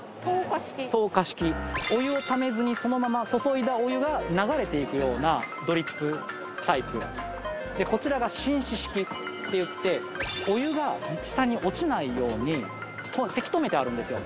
透過式お湯をためずにそのまま注いだお湯が流れていくようなドリップタイプでこちらが浸漬式っていってお湯が下に落ちないようにせき止めてあるんですよ